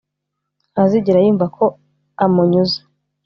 ntazigera yumva ko amunyuze